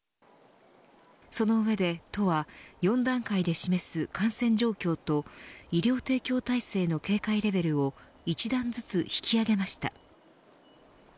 その上で都は４段階で示す感染状況と医療提供体制の警戒レベルを一段ずつ引き上げました。